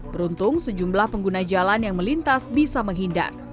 beruntung sejumlah pengguna jalan yang melintas bisa menghindar